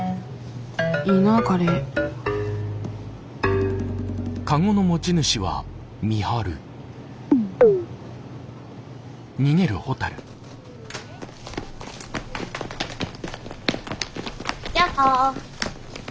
いいなカレーやっほ。